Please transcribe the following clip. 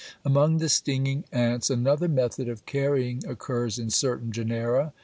Among the stinging ants another method of carrying occurs in certain genera.